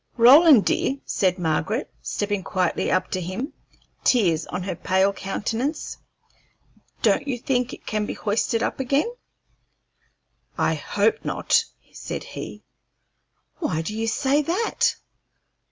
"Roland, dear," said Margaret, stepping quietly up to him, tears on her pale countenance, "don't you think it can be hoisted up again?" "I hope not," said he. "Why do you say that?"